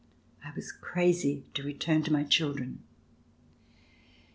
I was crazy to return to my children.